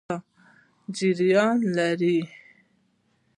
تاجران لري.